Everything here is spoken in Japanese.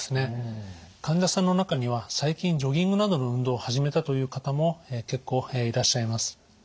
患者さんの中には最近ジョギングなどの運動を始めたという方も結構いらっしゃいます。